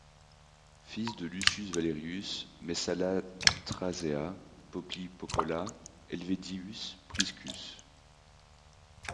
Fils de Lucius Valerius Messalla Thrasea Poplicola Helvidius Priscus.